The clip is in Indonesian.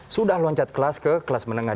sudah loncat kelas ke kelas menengah